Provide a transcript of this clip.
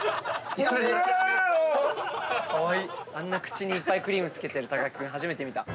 あんな口にいっぱいクリーム付けてる木君初めて見た。